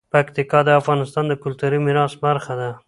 پکتیکا د افغانستان د کلتوري میراث برخه ده.